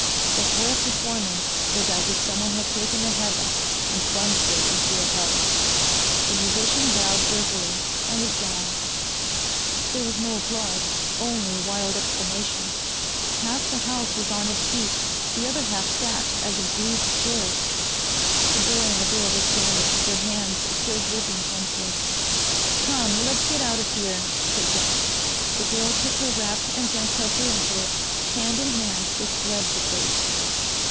The whole performance was as if someone had taken a heaven and plunged it into a hell. The musician bowed jerkily, and was gone. There was no applause, only wild exclamations. Half the house was on its feet. The other half sat as if glued to chairs. The boy and the girl were standing, their hands still gripping tensely. "Come, let's get out of here," said Jenks. The girl took her wrap and Jenks helped her into it. Hand in hand they fled the place.